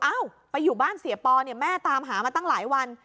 อ้าวไปอยู่บ้านเสียปอแม่ตามหามาตั้งหลายวัน